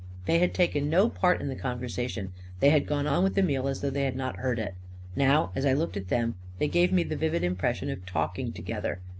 They had taken no part in the conversation ; they had gone on with the meal as though they had not heard it. Now, as I looked at them, they gave me the vivid impression of talking together.